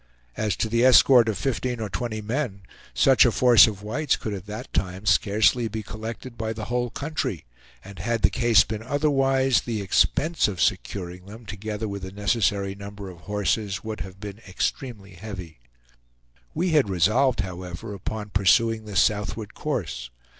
As to the escort of fifteen or twenty men, such a force of whites could at that time scarcely be collected by the whole country; and had the case been otherwise, the expense of securing them, together with the necessary number of horses, would have been extremely heavy. We had resolved, however, upon pursuing this southward course.